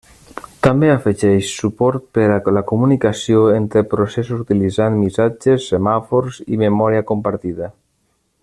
També afegeix suport per a la comunicació entre processos utilitzant missatges, semàfors, i memòria compartida.